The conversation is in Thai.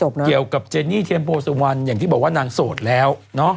เกี่ยวกับเจนี่เทียนโพสุวรรณอย่างที่บอกว่านางโสดแล้วเนอะ